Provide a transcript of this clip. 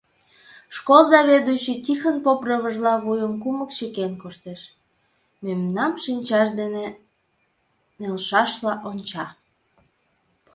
Школ заведующий Тихон поп рывыжла вуйым кумык чыкен коштеш, мемнам шинчаж дене нелшашла онча.